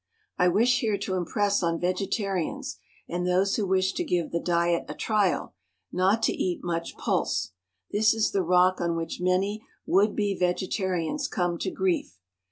I wish here to impress on vegetarians, and those who wish to give the diet a trial, not to eat much pulse; this is the rock on which many "would be vegetarians" come to grief.